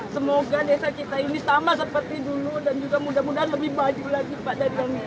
semoga desa kita ini sama seperti dulu dan juga mudah mudahan lebih maju lagi pak dadiannya